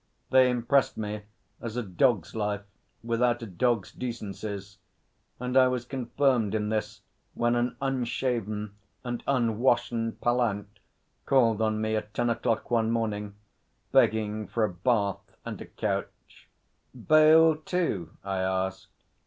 They impressed me as a dog's life without a dog's decencies, and I was confirmed in this when an unshaven and unwashen Pallant called on me at ten o'clock one morning, begging for a bath and a couch. 'Bail too?' I asked.